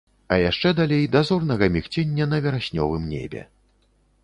А яшчэ далей да зорнага мігцення на вераснёвым небе.